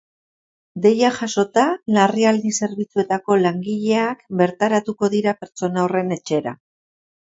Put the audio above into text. Deia jasota, larrialdi zerbitzuetako langileak bertaratuko dira pertsona horren etxera.